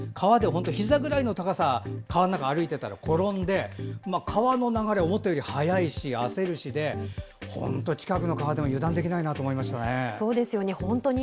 ひざぐらいの高さの川の中を歩いてたら転んで川の流れが思ったより速いし焦るしで本当、近くの川でも油断できないなと思いましたね。